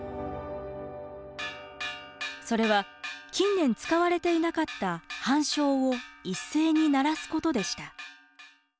それは近年使われていなかった半鐘を一斉に鳴らすことでした。